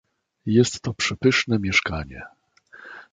"jest to przepyszne mieszkanie."